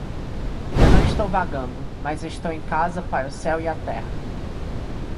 Eu não estou vagando, mas estou em casa para o céu e a terra.